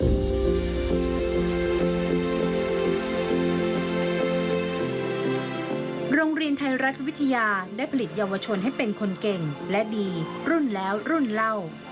โรงเรียนไทยรัฐวิทยาได้ผลิตเยาวชนให้เป็นคนเก่งและดีรุ่นแล้วรุ่นเล่า